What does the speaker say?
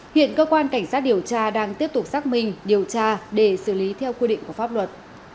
hiện cơ quan cảnh sát điều tra đang tiếp tục xác minh điều tra để xử lý theo quy định của pháp luật